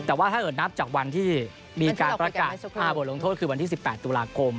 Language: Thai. แต่ว่าถ้าเกิดนับจากวันที่มีการประกาศ๕บทลงโทษคือวันที่๑๘ตุลาคม